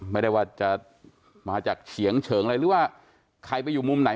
ไม่ได้ว่าจะมาจากเฉียงเฉิงอะไรหรือว่าใครไปอยู่มุมไหน